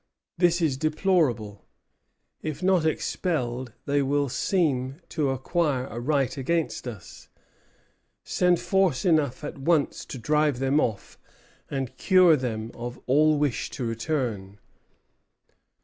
This is deplorable. If not expelled, they will seem to acquire a right against us. Send force enough at once to drive them off, and cure them of all wish to return."